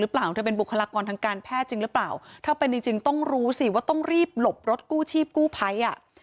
เธอเป็นบุคลากรทางการแพทย์จริงหรือเปล่าถ้าเป็นจริงจริงต้องรู้สิว่าต้องรีบหลบรถกู้ชีพกู้ภัยอ่ะ